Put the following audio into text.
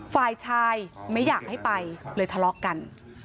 ฝ่ายชายไม่อยากให้ไปเลยทะเลาะกัน